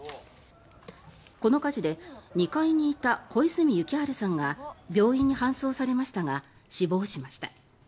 この火事で２階にいた小泉幸晴さんが病院に搬送されましたが死亡しました。